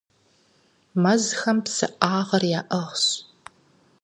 Мэзхэм псыӀагъыр яӀыгъщ.